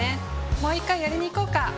もう一回やりにいこうか？